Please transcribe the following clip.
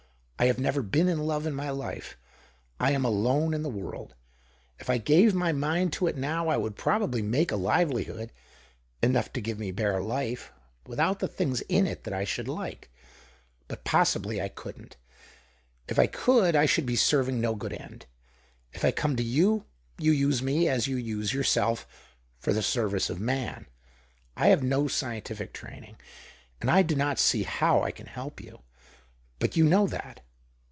I have never been in love in my life. I am alone in THE OCTAVE OF CLAUDIUS. 113 he world. If I gave my mind to it now, 1 ould probably make a livelihood — enough to ;ive me l^are life, without the things in it hat I should like. But possibly I couldn't ; f I could, I should be serving no good end. f I come to you, you use me, as you use 'ourself, for the service of man. I have no cientitic training, and I do not see how I can elp you. But you know that.